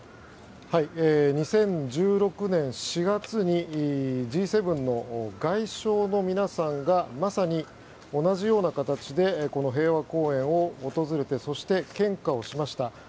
２０１６年４月にＧ７の外相の皆さんがまさに同じような形で平和公園を訪れてそして、献花をしました。